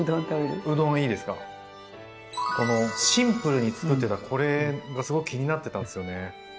シンプルにつくってたこれがすごく気になってたんですよね。